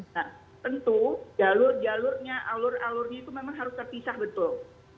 nah tentu jalur jalurnya alur alurnya itu memang harus terpisah betul